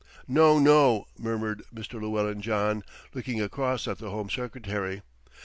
"No, no," murmured Mr. Llewellyn John, looking across at the Home Secretary.